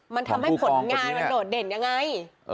มันทำให้ผลงานมันโดดเด่นยังไง